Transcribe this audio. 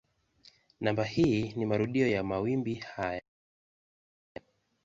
Namba hii ni marudio ya mawimbi haya.